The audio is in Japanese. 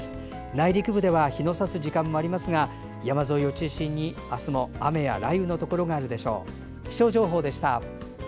内陸部では日のさす時間もありますが山沿いを中心に明日も雨や雷雨のところがあるでしょう。